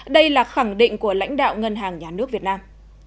đây là khẳng định của lãnh đạo ngân hàng nhà nước việt nam